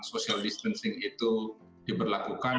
social distancing itu diberlakukan